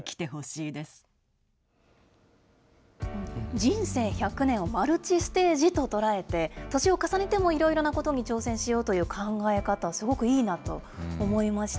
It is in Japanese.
人生１００年をマルチステージと捉えて、年を重ねても、いろいろなことに挑戦しようという考え方、すごくいいなと思いました。